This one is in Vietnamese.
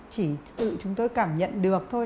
chỉ tự chúng tôi cảm nhận được thôi